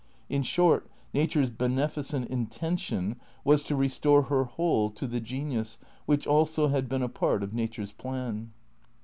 In short. Nature's beneficent intention was to restore her whole to the genius which also had been a part of Nature's plan.